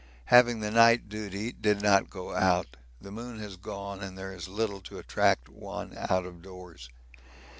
Having the night duty, did not go out. The moon has gone and there is little to attract one out of doors.